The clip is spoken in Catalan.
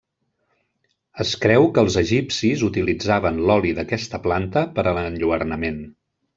Es creu que els egipcis utilitzaven l'oli d'aquesta planta per a l'enlluernament.